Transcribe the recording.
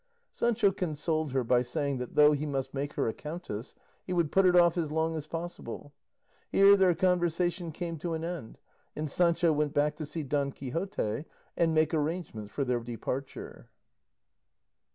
Sancho consoled her by saying that though he must make her a countess, he would put it off as long as possible. Here their conversation came to an end, and Sancho went back to see Don Quixote, and make arrangements for their departure.